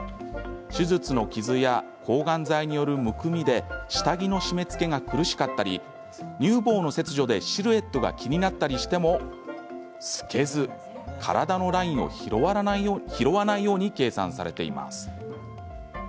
手術の傷や抗がん剤によるむくみで下着の締めつけが苦しかったり乳房の切除でシルエットが気になったりしても透けず体のラインを拾わないように計算されています。